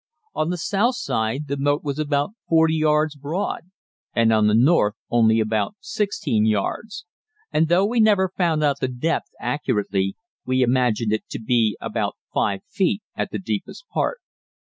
On the south side the moat was about 40 yards broad and on the north only about 16 yards, and though we never found out the depth accurately we imagined it to be about 5 feet at the deepest part.